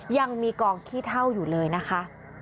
ยังมีกองขี้เท่าอยู่เลยนะคะ